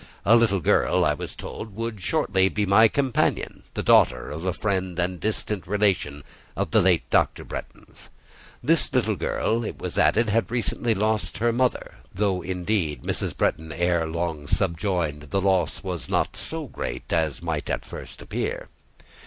A little girl, I was told, would shortly be my companion: the daughter of a friend and distant relation of the late Dr. Bretton's. This little girl, it was added, had recently lost her mother; though, indeed, Mrs. Bretton ere long subjoined, the loss was not so great as might at first appear.